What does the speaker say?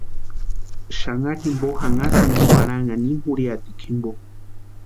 Xanharhu jimpo janhasïnti warhanhani ini juriatikwa jimpo.